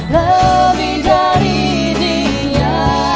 lebih dari dia